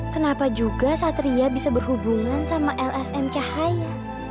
kenapa juga satria bisa berhubungan sama lsm cahaya